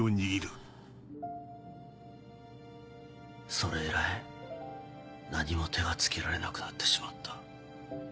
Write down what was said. それ以来何も手がつけられなくなってしまった。